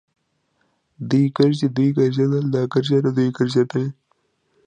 دی ګرځي. دوی ګرځيدل. دا ګرځيده. دوی ګرځېدلې.